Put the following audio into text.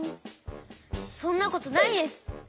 そんなことないです！